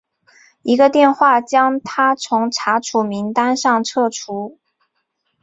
一个电话将他从查处名单上撤除。